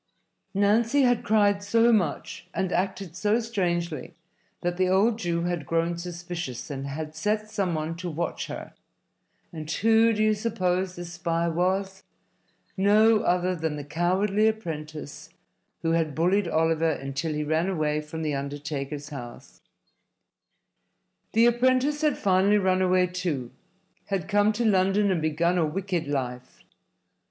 Nancy had cried so much and acted so strangely that the old Jew had grown suspicious and had set some one to watch her. And who do you suppose this spy was? No other than the cowardly apprentice who had bullied Oliver until he ran away from the undertaker's house. The apprentice had finally run away, too, had come to London and begun a wicked life.